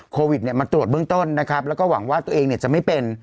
โควิดเนี่ยมาตรวจเบื้องต้นนะครับแล้วก็หวังว่าตัวเองเนี่ยจะไม่เป็น